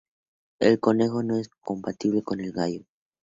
El conejo no es compatible con el gallo.